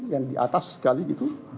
yang di atas sekali gitu